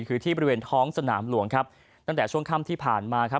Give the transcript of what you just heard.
คือที่บริเวณท้องสนามหลวงครับตั้งแต่ช่วงค่ำที่ผ่านมาครับ